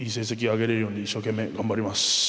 あげれるように一生懸命頑張ります。